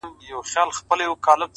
نه هغه ژوند راپاته دی نه هاغسې سازونه’